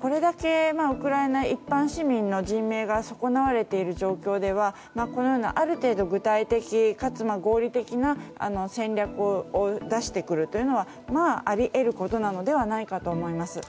これだけウクライナ一般市民の人命が損なわれている状況ではこのような、ある程度具体的かつ合理的な戦略を出してくるというのはあり得ることなのではないかと思います。